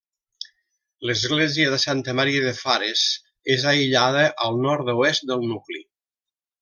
L'església de Santa Maria de Fares és aïllada al nord-oest del nucli.